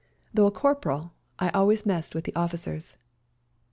Though a corporal, I always messed with the officers.